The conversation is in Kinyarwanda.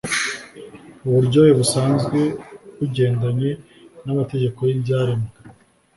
uburyohe busanzwe bugendanye namategeko yibyaremwe